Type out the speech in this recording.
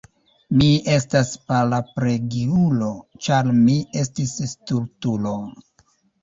Mi estas paraplegiulo, ĉar mi estis stultulo.